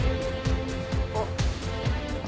あっ。